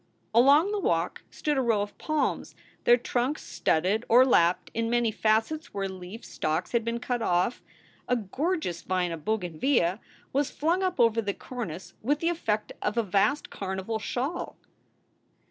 Along the walk stood a row of palms, their trunks studded or lapped in many facets where leaf stalks had been cut off. A gorgeous vine of bougainvillea was flung up over the cor nice with the effect of a vast carnival shawl.